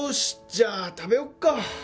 じゃあ食べよっか。